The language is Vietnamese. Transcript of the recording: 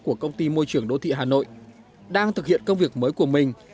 của công ty môi trường đô thị hà nội đang thực hiện công việc mới của mình